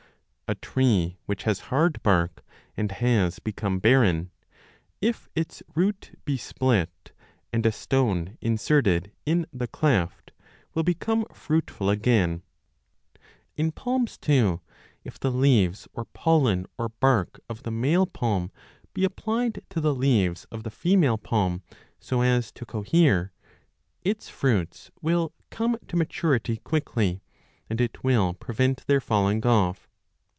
A tree which has hard bark and has become barren, if its root be split and a stone inserted in the cleft will become fruitful again. In palms too, if the leaves or pollen or bark of the male palm be applied to the leaves 15 of the female palm so as to cohere, its fruits will come to maturity quickly, and it will prevent their falling off.